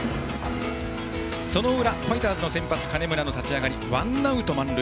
その裏、ファイターズの先発金村の立ち上がりワンアウトと満塁。